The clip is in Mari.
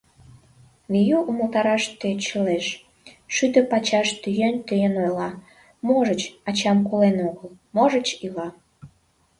Вею умылтараш тӧчылеш, шӱдӧ пачаш тӱен-тӱен ойла: можыч, ачам колен огыл, можыч, ила.